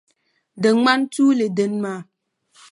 Di ŋmani tuuli dini maa?